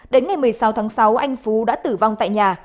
đến ngày một mươi sáu tháng sáu anh phú đã tử vong tại nhà